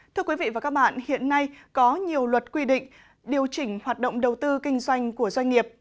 thưa quý vị và các bạn hiện nay có nhiều luật quy định điều chỉnh hoạt động đầu tư kinh doanh của doanh nghiệp